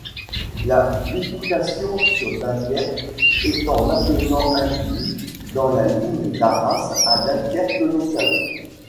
La bifurcation sur Dunkerque étant maintenant incluse dans la ligne d'Arras à Dunkerque-Locale.